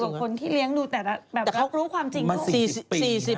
ก็อยู่กับคนที่เลี้ยงดูแต่ละแบบรู้ความจริงทุกคน